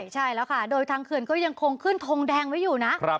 ใช่แล้วค่ะโดยทางเขื่อนก็ยังคงขึ้นทงแดงไว้อยู่นะ